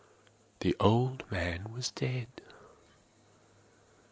The old man was dead.